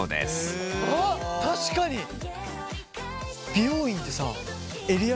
美容院ってさ襟足